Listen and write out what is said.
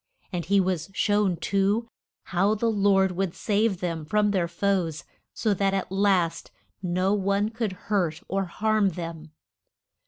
And he was shown, too, how the Lord would save them from their foes, so that at last no one could hurt or harm them.